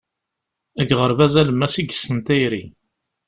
Deg uɣerbaz alemmas i yessen tayri.